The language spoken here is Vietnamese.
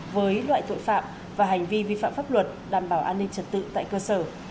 với loại tội phạm và hành vi vi phạm pháp luật đảm bảo an ninh trật tự tại cơ sở